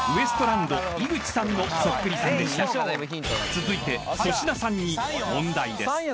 ［続いて粗品さんに問題です］